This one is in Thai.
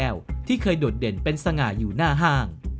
หรือลิฟท์แก้วที่เคยโดดเด่นเป็นสง่าอยู่หน้าห้าง